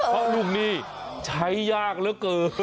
เพราะลูกหนี้ใช้ยากเหลือเกิน